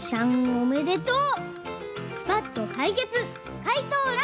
おめでとう！